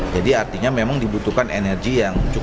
jadi artinya memang dibutuhkan energi yang cukup